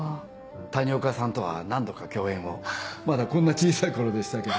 谷岡さんとは何度か共演をまだこんな小さい頃でしたけど。